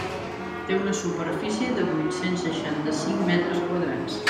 Té una superfície de vuit-cents seixanta-cinc metres quadrats.